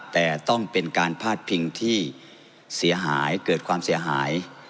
แต่ต้องเป็นการพาดพิงที่เสียหายเกิดความเสียหาย